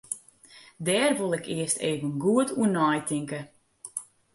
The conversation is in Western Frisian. Dêr wol ik earst even goed oer neitinke.